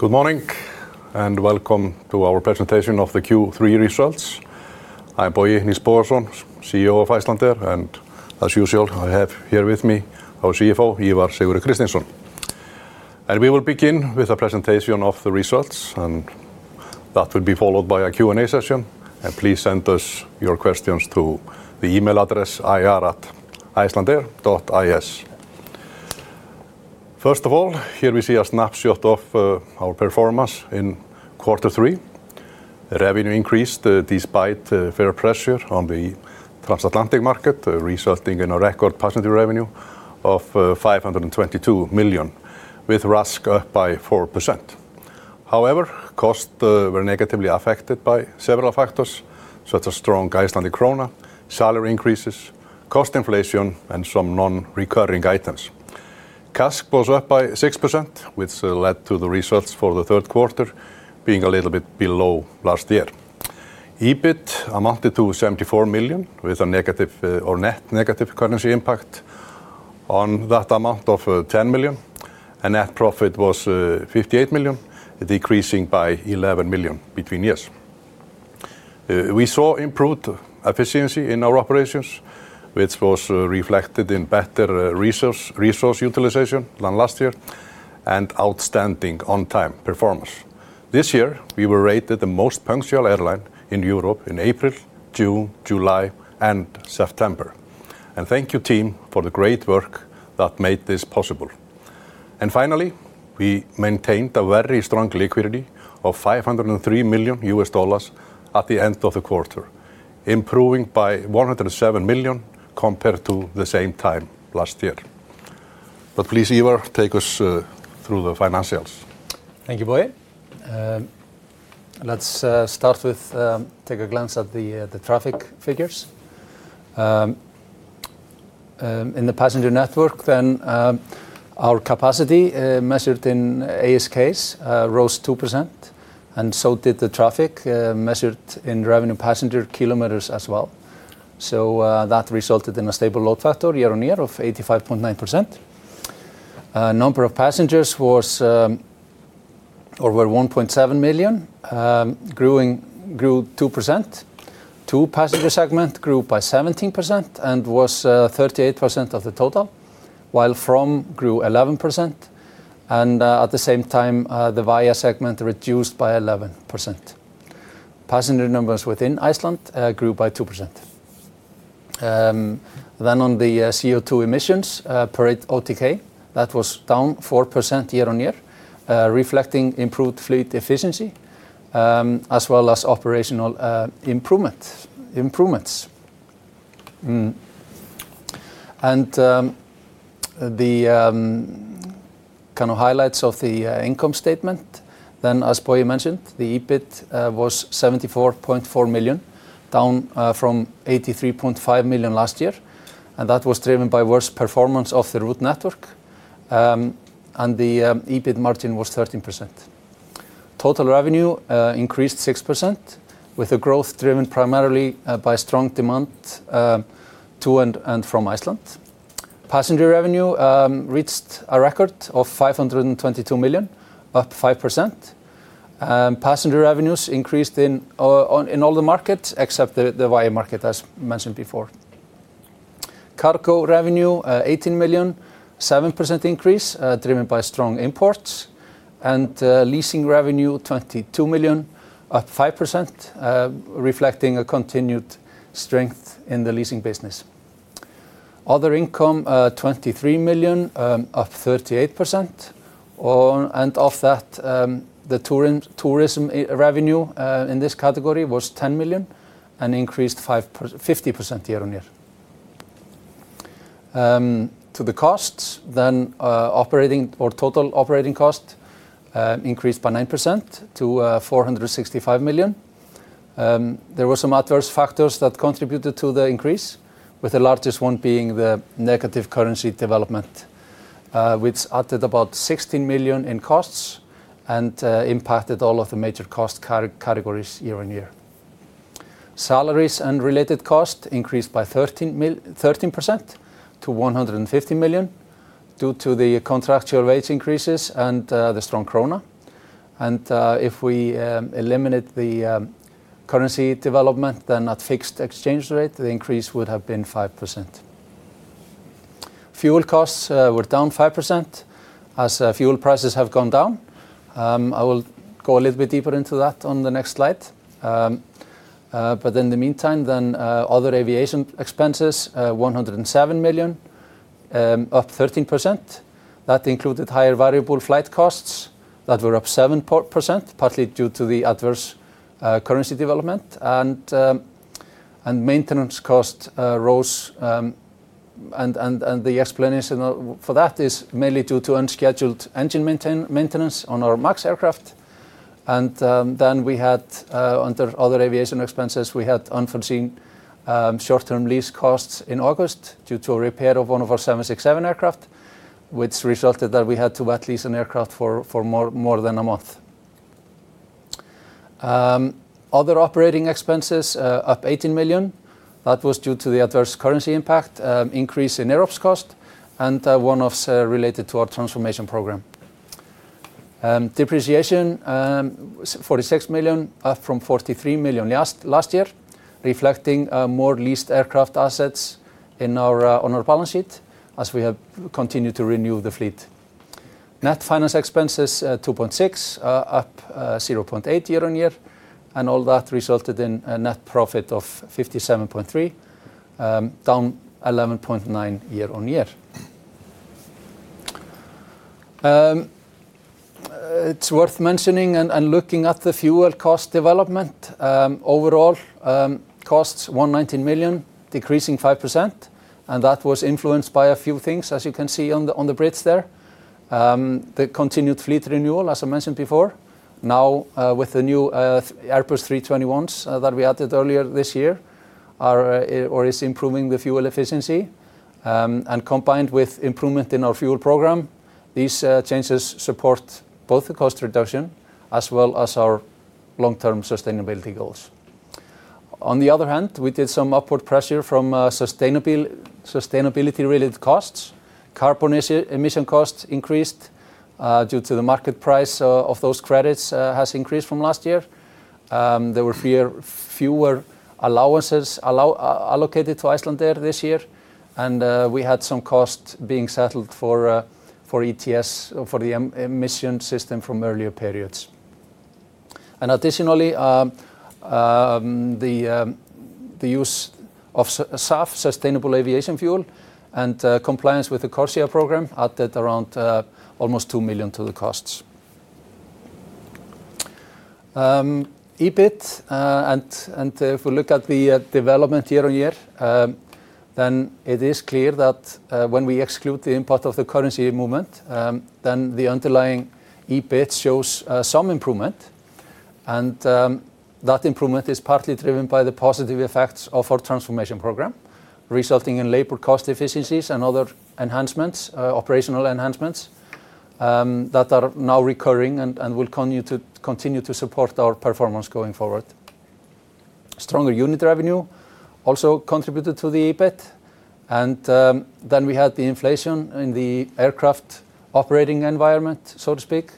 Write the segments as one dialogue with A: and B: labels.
A: Good morning and welcome to our presentation of the Q3 results. I am Bogi Nils Bogason, CEO of Icelandair, and as usual, I have here with me our CFO, Ívar S. Kristinsson. We will begin with a presentation of the results, and that will be followed by a Q&A session. Please send us your questions to the email address ir@icelandair.is. First of all, here we see a snapshot of our performance in Q3. Revenue increased despite fare pressure on the transatlantic market, resulting in a record positive revenue of 522 million, with RASK up by 4%. However, costs were negatively affected by several factors, such as strong Icelandic krona, salary increases, cost inflation, and some non-recurring items. CASK was up by 6%, which led to the results for the third quarter being a little bit below last year. EBIT amounted to 74 million, with a net negative currency impact on that amount of 10 million. Net profit was 58 million, decreasing by 11 million between years. We saw improved efficiency in our operations, which was reflected in better resource utilization than last year and outstanding on-time performance. This year, we were rated the most punctual airline in Europe in April, June, July, and September. Thank you, team, for the great work that made this possible. Finally, we maintained a very strong liquidity of $503 million at the end of the quarter, improving by 107 million compared to the same time last year. Please, Ívar, take us through the financials.
B: Thank you, Bogi. Let's start with taking a glance at the traffic figures. In the passenger network, our capacity measured in ASKs rose 2%, and so did the traffic measured in revenue passenger kilometers as well. That resulted in a stable load factor year-on-year of 85.9%. The number of passengers was over 1.7 million, grew 2%. The passenger segment grew by 17% and was 38% of the total, while from grew 11%. At the same time, the via segment reduced by 11%. Passenger numbers within Iceland grew by 2%. On the CO2 emissions per OTK, that was down 4% year-on-year, reflecting improved fleet efficiency as well as operational improvements. The highlights of the income statement, as Bogi mentioned, the EBIT was 74.4 million, down from 83.5 million last year. That was driven by worse performance of the route network, and the EBIT margin was 13%. Total revenue increased 6%, with a growth driven primarily by strong demand to and from Iceland. Passenger revenue reached a record of 522 million, up 5%. Passenger revenues increased in all the markets except the via market, as mentioned before. Cargo revenue 18 million, 7% increase driven by strong imports. Leasing revenue 22 million, up 5%, reflecting a continued strength in the leasing business. Other income 23 million, up 38%. Of that, the tourism revenue in this category was 10 million and increased 50% year-on-year. For the costs, total operating cost increased by 9% to 465 million. There were some adverse factors that contributed to the increase, with the largest one being the negative currency development, which added about 16 million in costs and impacted all of the major cost categories year-on-year. Salaries and related costs increased by 13% to 150 million due to the contractual wage increases and the strong krona. If we eliminate the currency development, then at fixed exchange rate, the increase would have been 5%. Fuel costs were down 5% as fuel prices have gone down. I will go a little bit deeper into that on the next slide. In the meantime, other aviation expenses, 107 million, up 13%. That included higher variable flight costs that were up 7%, partly due to the adverse currency development. Maintenance costs rose, and the explanation for that is mainly due to unscheduled engine maintenance on our MAX aircraft. We had, under other aviation expenses, unforeseen short-term lease costs in August due to a repair of one of our Boeing 767 aircraft, which resulted in us having to lease an aircraft for more than a month. Other operating expenses were up 18 million. That was due to the adverse currency impact, increase in air ops cost, and one related to our transformation program. Depreciation was 46 million, up from 43 million last year, reflecting more leased aircraft assets on our balance sheet as we have continued to renew the fleet. Net finance expenses were 2.6 million, up 0.8 million year-on-year, and all that resulted in a net profit of 57.3 million, down 11.9 million year-on-year. It's worth mentioning and looking at the fuel cost development. Overall, costs were 119 million, decreasing 5%, and that was influenced by a few things, as you can see on the bridge there. The continued fleet renewal, as I mentioned before, now with the new Airbus A321LRs that we added earlier this year, is improving the fuel efficiency. Combined with improvement in our fuel program, these changes support both the cost reduction as well as our long-term sustainability goals. On the other hand, we did see some upward pressure from sustainability-related costs. Carbon emission costs increased due to the market price of those credits having increased from last year. There were fewer allowances allocated to Icelandair this year, and we had some costs being settled for ETS, for the emission system from earlier periods. Additionally, the use of sustainable aviation fuel and compliance with the CORSIA program added around almost 2 million to the costs. EBIT, and if we look at the development year-on-year, then it is clear that when we exclude the impact of the currency movement, the underlying EBIT shows some improvement. That improvement is partly driven by the positive effects of our transformation program, resulting in labor cost efficiencies and other operational enhancements that are now recurring and will continue to support our performance going forward. Stronger unit revenue also contributed to the EBIT. We had the inflation in the aircraft operating environment, so to speak.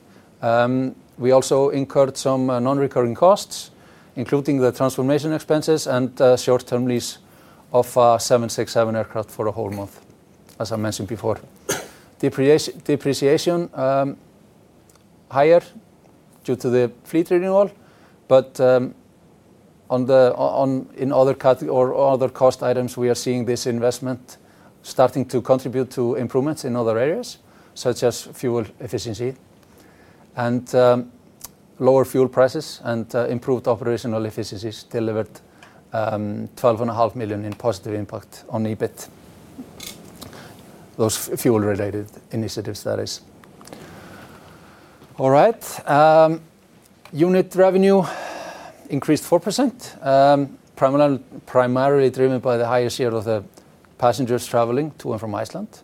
B: We also incurred some non-recurring costs, including the transformation expenses and short-term lease of our 767 aircraft for a whole month, as I mentioned before. Depreciation higher due to the fleet renewal, but in other cost items, we are seeing this investment starting to contribute to improvements in other areas, such as fuel efficiency and lower fuel prices, and improved operational efficiencies delivered 12.5 million in positive impact on EBIT. Those fuel-related initiatives, that is. Unit revenue increased 4%, primarily driven by the higher share of the passengers traveling to and from Iceland.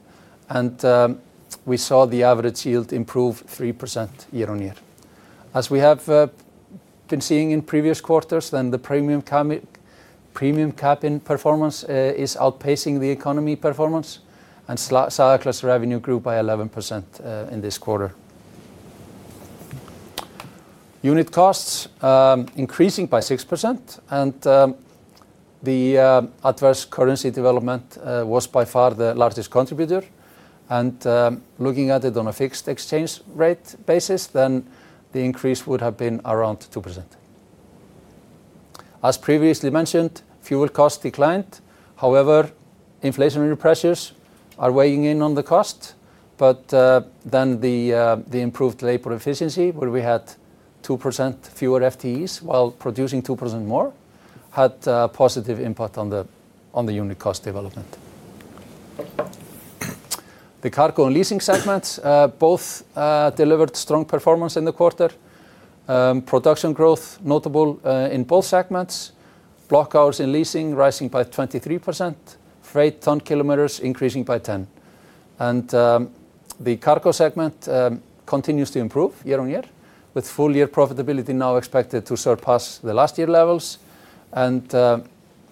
B: We saw the average yield improve 3% year-on-year. As we have been seeing in previous quarters, the premium cap in performance is outpacing the economy performance, and surplus revenue grew by 11% in this quarter. Unit costs increasing by 6%, and the adverse currency development was by far the largest contributor. Looking at it on a fixed exchange rate basis, the increase would have been around 2%. As previously mentioned, fuel costs declined, however, inflationary pressures are weighing in on the cost. The improved labor efficiency, where we had 2% fewer FTEs while producing 2% more, had a positive impact on the unit cost development. The cargo and leasing segments both delivered strong performance in the quarter. Production growth notable in both segments. Block hours in leasing rising by 23%, freight ton kilometers increasing by 10%. The cargo segment continues to improve year-on-year, with full-year profitability now expected to surpass the last year levels, and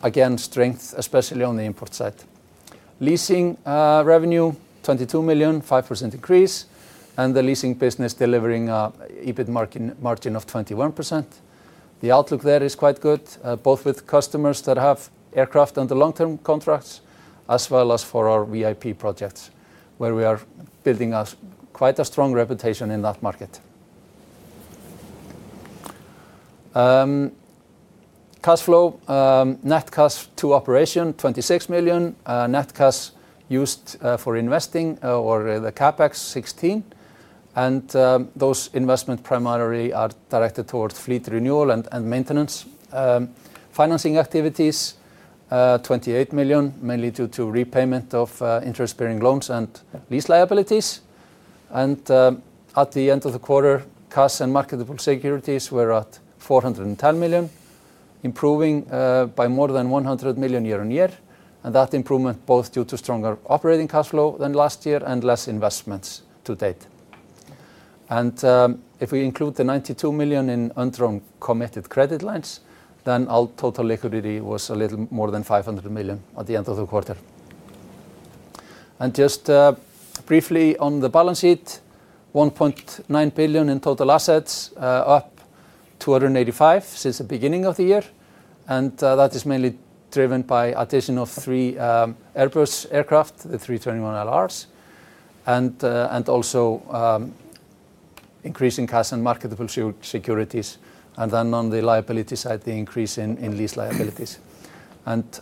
B: again, strength especially on the import side. Leasing revenue 22 million, 5% increase, and the leasing business delivering an EBIT margin of 21%. The outlook there is quite good, both with customers that have aircraft under long-term contracts, as well as for our VIP projects, where we are building quite a strong reputation in that market. Net cash to operation 26 million. Net cash used for investing or the CapEx 16 million, and those investments primarily are directed towards fleet renewal and maintenance. Financing activities 28 million, mainly due to repayment of interest-bearing loans and lease liabilities. At the end of the quarter, cash and marketable securities were at 410 million, improving by more than 100 million year-on-year. That improvement both due to stronger operating cash flow than last year and less investments to date. If we include the 92 million in untrunk committed credit lines, then our total liquidity was a little more than 500 million at the end of the quarter. Just briefly on the balance sheet, 1.9 billion in total assets, up 285 million since the beginning of the year. That is mainly driven by the addition of three Airbus aircraft, the A321LRs, and also increasing cash and marketable securities, and then on the liability side, the increase in lease liabilities.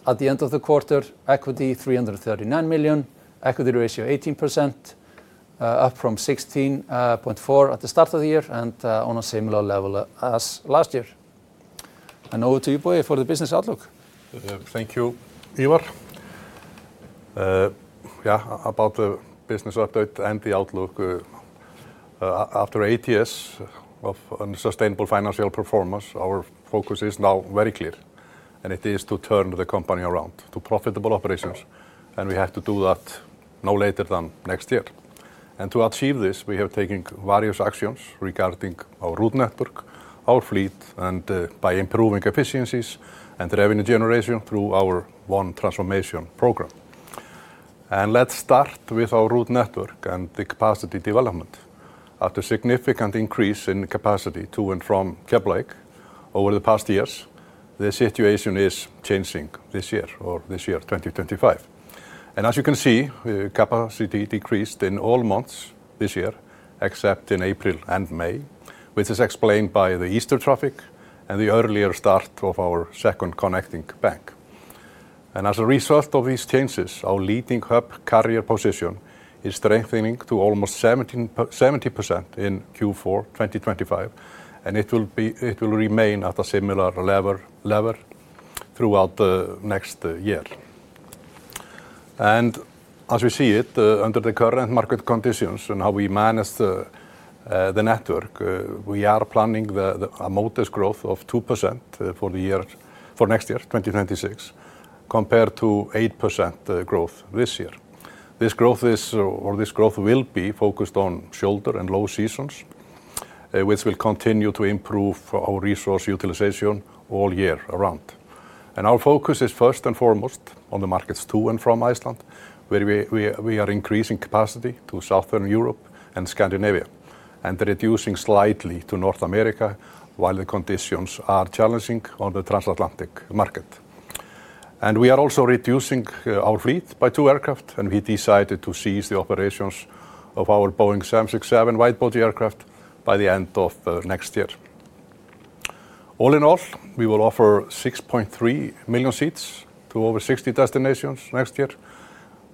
B: At the end of the quarter, equity 339 million, equity ratio 18%, up from 16.4% at the start of the year and on a similar level as last year. Over to you, Bogi, for the business outlook.
A: Thank you, Ívar. About the business update and the outlook, after eight years of unsustainable financial performance, our focus is now very clear, and it is to turn the company around to profitable operations. We have to do that no later than next year. To achieve this, we have taken various actions regarding our route network, our fleet, and by improving efficiencies and revenue generation through our ONE Transformation program. Let's start with our route network and the capacity development. After a significant increase in capacity to and from Keflavík over the past years, the situation is changing this year, or this year, 2025. As you can see, capacity decreased in all months this year, except in April and May, which is explained by the Easter traffic and the earlier start of our second connecting bank. As a result of these changes, our leading hub carrier position is strengthening to almost 70% in Q4 2025, and it will remain at a similar level throughout the next year. As we see it under the current market conditions and how we manage the network, we are planning a modest growth of 2% for next year, 2026, compared to 8% growth this year. This growth will be focused on shoulder and low seasons, which will continue to improve our resource utilization all year round. Our focus is first and foremost on the markets to and from Iceland, where we are increasing capacity to Southern Europe and Scandinavia, and reducing slightly to North America while the conditions are challenging on the transatlantic market. We are also reducing our fleet by two aircraft, and we decided to cease the operations of our Boeing 767 widebody aircraft by the end of next year. All in all, we will offer 6.3 million seats to over 60 destinations next year,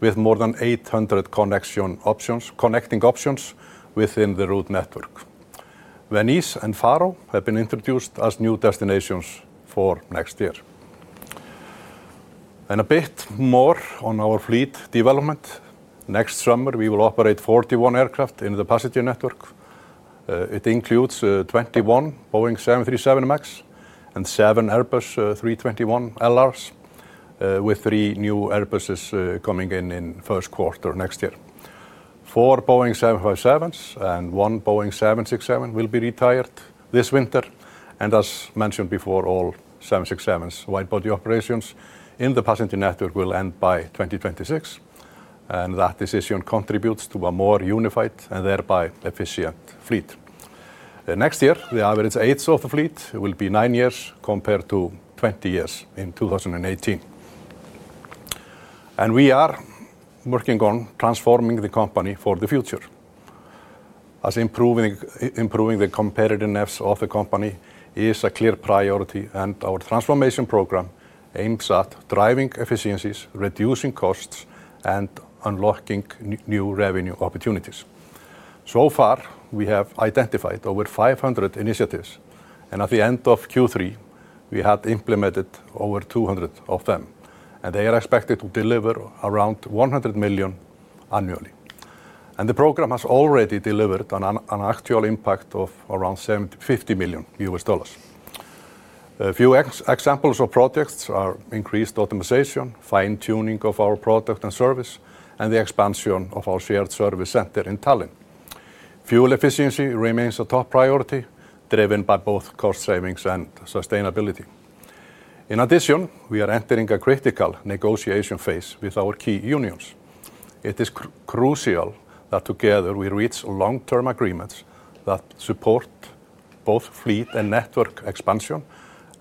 A: with more than 800 connecting options within the route network. Venice and Faro have been introduced as new destinations for next year. A bit more on our fleet development. Next summer, we will operate 41 aircraft in the passenger network. It includes 21 Boeing 737 MAX and seven Airbus A321LRs, with three new Airbuses coming in in the first quarter next year. Four Boeing 757s and one Boeing 767 will be retired this winter. As mentioned before, all 767 widebody operations in the passenger network will end by 2026. That decision contributes to a more unified and thereby efficient fleet. Next year, the average age of the fleet will be nine years compared to 20 years in 2018. We are working on transforming the company for the future. Improving the competitiveness of the company is a clear priority, and our transformation program aims at driving efficiencies, reducing costs, and unlocking new revenue opportunities. So far, we have identified over 500 initiatives, and at the end of Q3, we had implemented over 200 of them. They are expected to deliver around 100 million annually. The program has already delivered an actual impact of around $50 million. A few examples of projects are increased optimization, fine-tuning of our product and service, and the expansion of our shared service center in Tallinn. Fuel efficiency remains a top priority, driven by both cost savings and sustainability. In addition, we are entering a critical negotiation phase with our key unions. It is crucial that together we reach long-term agreements that support both fleet and network expansion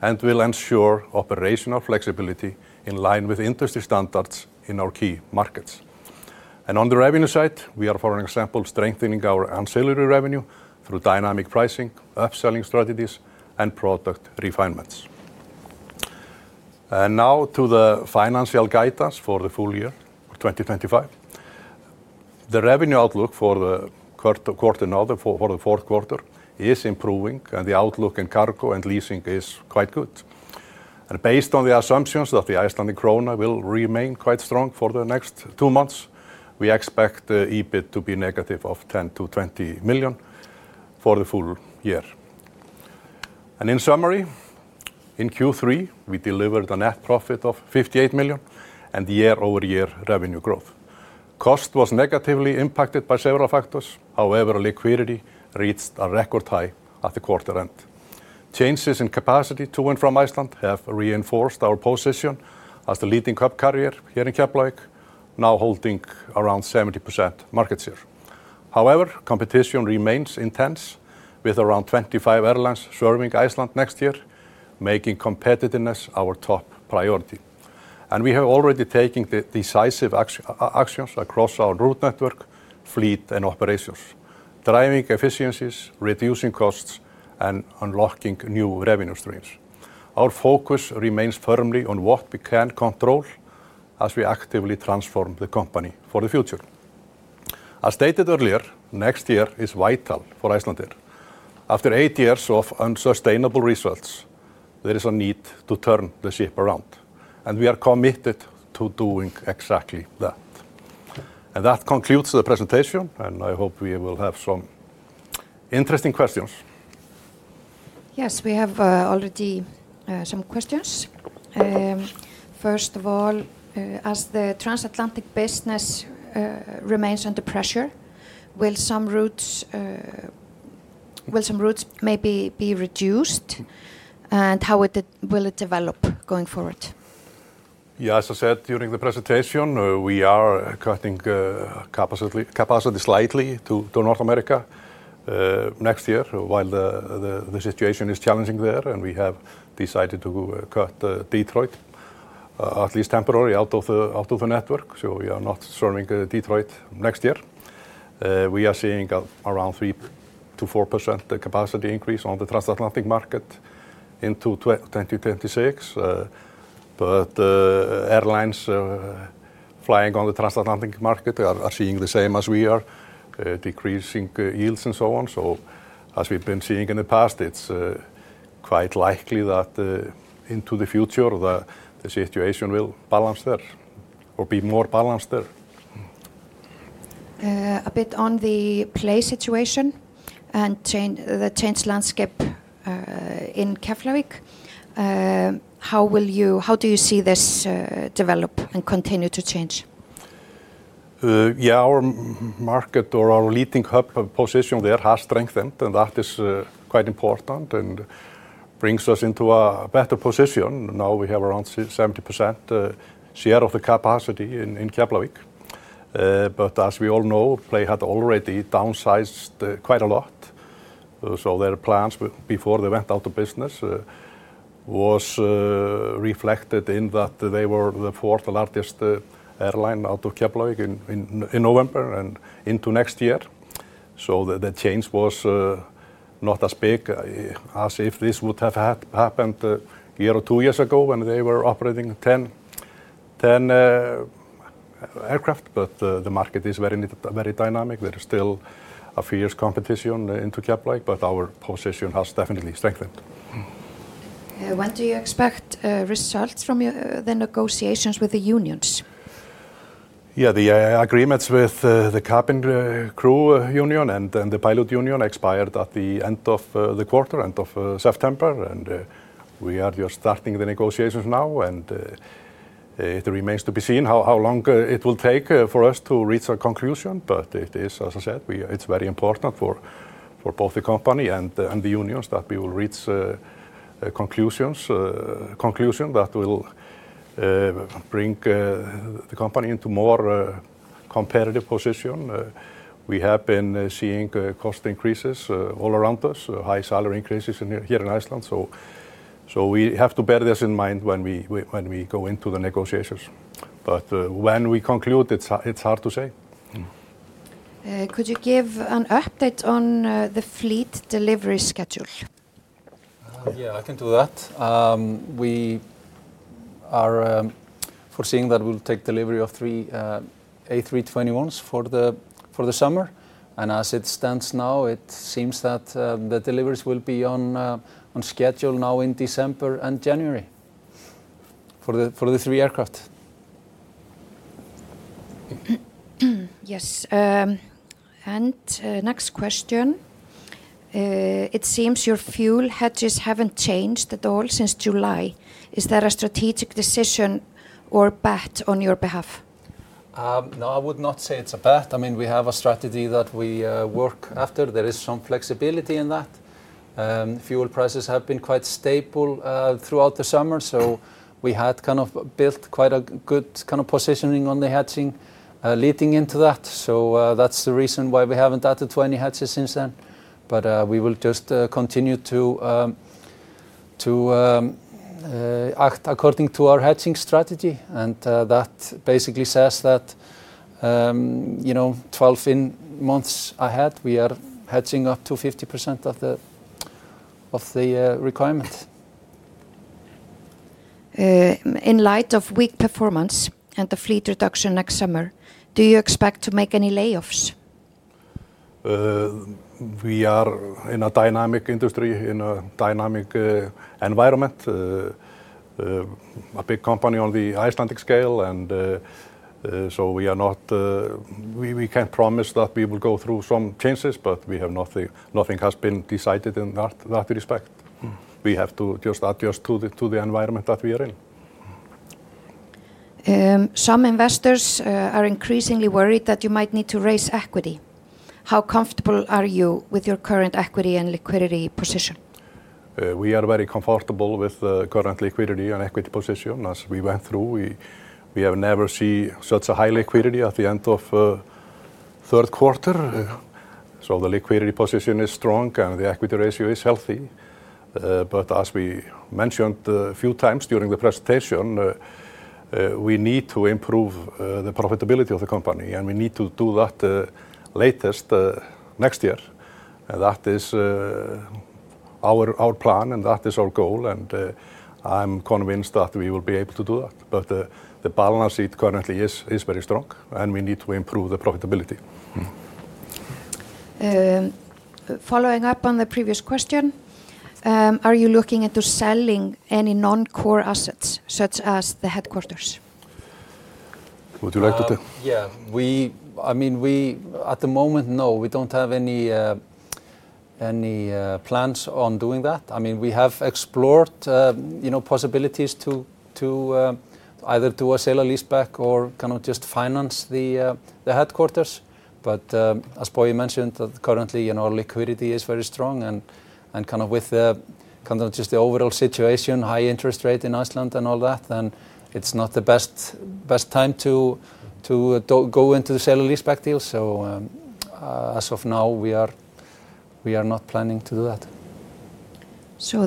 A: and will ensure operational flexibility in line with industry standards in our key markets. On the revenue side, we are, for example, strengthening our ancillary revenue through dynamic pricing, upselling strategies, and product refinements. Now, to the financial guidance for the full year 2025. The revenue outlook for the quarter and for the fourth quarter is improving, and the outlook in cargo and leasing is quite good. Based on the assumptions that the Icelandic krona will remain quite strong for the next two months, we expect EBIT to be -10 million to -20 million for the full year. In summary, in Q3, we delivered a net profit of 58 million and year-over-year revenue growth. Cost was negatively impacted by several factors. However, liquidity reached a record high at the quarter end. Changes in capacity to and from Iceland have reinforced our position as the leading hub carrier here in Keflavík, now holding around 70% market share. However, competition remains intense, with around 25 airlines serving Iceland next year, making competitiveness our top priority. We have already taken decisive actions across our route network, fleet, and operations, driving efficiencies, reducing costs, and unlocking new revenue streams. Our focus remains firmly on what we can control as we actively transform the company for the future. As stated earlier, next year is vital for Icelandair. After eight years of unsustainable results, there is a need to turn the ship around, and we are committed to doing exactly that. That concludes the presentation, and I hope we will have some interesting questions. Yes, we have already some questions. First of all, as the transatlantic business remains under pressure, will some routes maybe be reduced, and how will it develop going forward? As I said during the presentation, we are cutting capacity slightly to North America next year while the situation is challenging there, and we have decided to cut Detroit, at least temporarily, out of the network. We are not serving Detroit next year. We are seeing around 3%-4% capacity increase on the transatlantic market into 2026. Airlines flying on the transatlantic market are seeing the same as we are, decreasing yields and so on. As we've been seeing in the past, it's quite likely that into the future, the situation will balance there or be more balanced there. A bit on the Play situation and the changed landscape in Keflavík, how do you see this develop and continue to change? Our market or our leading hub position there has strengthened, and that is quite important and brings us into a better position. Now we have around 70% share of the capacity in Keflavík. As we all know, Play had already downsized quite a lot. Their plans before they went out of business were reflected in that they were the fourth largest airline out of Keflavík in November and into next year. The change was not as big as if this would have happened a year or two years ago when they were operating 10 aircraft. The market is very dynamic. There is still a fierce competition into Keflavík, but our position has definitely strengthened. When do you expect results from the negotiations with the unions? The agreements with the cabin crew union and the pilot union expired at the end of the quarter, end of September. We are just starting the negotiations now, and it remains to be seen how long it will take for us to reach a conclusion. As I said, it's very important for both the company and the unions that we will reach a conclusion that will bring the company into a more competitive position. We have been seeing cost increases all around us, high salary increases here in Iceland. We have to bear this in mind when we go into the negotiations. When we conclude, it's hard to say. Could you give an update on the fleet delivery schedule?
B: Yeah, I can do that. We are foreseeing that we'll take delivery of three A321LRs for the summer. As it stands now, it seems that the deliveries will be on schedule now in December and January for the three aircraft. Yes, next question. It seems your fuel hedges haven't changed at all since July. Is that a strategic decision or a bet on your behalf? No, I would not say it's a bet. We have a strategy that we work after. There is some flexibility in that. Fuel prices have been quite stable throughout the summer. We had kind of built quite a good positioning on the hedging leading into that. That's the reason why we haven't added to any hedges since then. We will just continue to act according to our hedging strategy. That basically says that 12 months ahead, we are hedging up to 50% of the requirement. In light of weak performance and the fleet reduction next summer, do you expect to make any layoffs?
A: We are in a dynamic industry, in a dynamic environment, a big company on the Icelandic scale. We can't promise that we will go through some changes, but nothing has been decided in that respect. We have to just adjust to the environment that we are in. Some investors are increasingly worried that you might need to raise equity. How comfortable are you with your current equity and liquidity position? We are very comfortable with the current liquidity and equity position. As we went through, we have never seen such a high liquidity at the end of the third quarter. The liquidity position is strong and the equity ratio is healthy. As we mentioned a few times during the presentation, we need to improve the profitability of the company, and we need to do that latest next year. That is our plan and that is our goal. I'm convinced that we will be able to do that. The balance sheet currently is very strong and we need to improve the profitability. Following up on the previous question, are you looking into selling any non-core assets such as the headquarters? Would you like to do?
B: Yeah, at the moment, no, we don't have any plans on doing that. We have explored possibilities to either do a sale or lease back or just finance the headquarters. As Bogi mentioned, currently our liquidity is very strong, and with just the overall situation, high interest rate in Iceland and all that, it's not the best time to go into the sale or lease back deal. As of now, we are not planning to do that.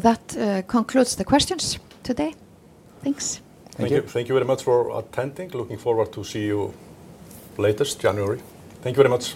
B: That concludes the questions today. Thanks.
A: Thank you very much for attending. Looking forward to seeing you latest January. Thank you very much.